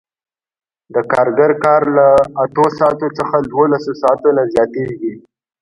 د کارګر کار له اتو ساعتونو څخه دولسو ساعتونو ته زیاتېږي